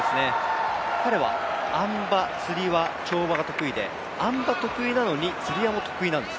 彼はあん馬、つり輪、跳馬が得意であん馬得意なのに、つり輪も得意なんです。